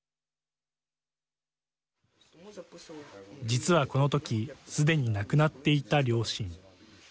実はこのときすでに亡くなっていた両親。